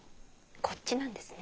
こっちなんですね。